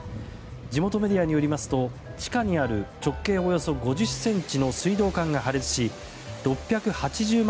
地元メディアによりますと地下にある直径およそ５０ｃｍの水道管が破裂し６８０万